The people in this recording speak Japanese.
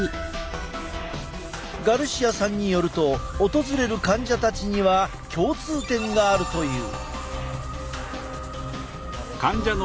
ガルシアさんによると訪れる患者たちには共通点があるという。